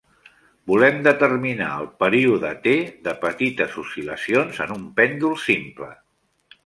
Volem determinar el període "T" de petites oscil·lacions en un pèndol simple.